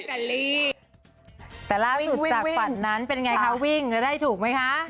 แต่ล่าสุดจากฝันนั้นเป็นยันย์ครับวิ่งได้ถูกป่าวไหมคะ